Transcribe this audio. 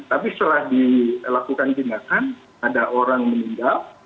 tapi setelah dilakukan tindakan ada orang meninggal